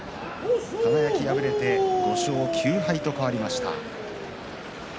輝敗れて５勝９敗と変わりました。